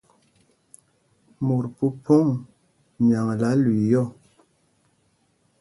Mot phúphōŋ myaŋla lüii yɔ́.